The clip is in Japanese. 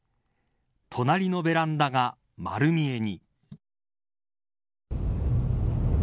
隣のベランダが丸見えに。